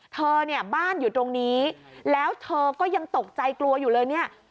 เธอเนี่ยบ้านอยู่ตรงนี้แล้วเธอก็ยังตกใจกลัวอยู่เลยเนี่ย